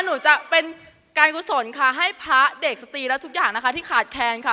หนูจะเป็นการกุศลค่ะให้พระเด็กสตรีและทุกอย่างนะคะที่ขาดแคนค่ะ